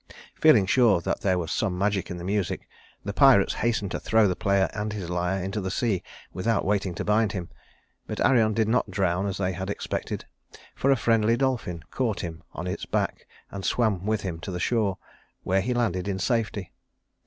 Feeling sure that there was some magic in the music, the pirates hastened to throw the player and his lyre into the sea without waiting to bind him; but Arion did not drown as they had expected, for a friendly dolphin caught him on its back and swam with him to the shore, where he landed in safety.